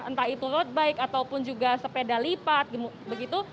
entah itu road bike ataupun juga sepeda lipat begitu